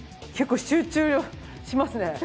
結構集中しますね。